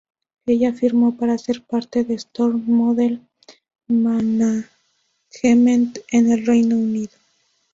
Ella firmó para ser parte de Storm Model Management en el Reino Unido.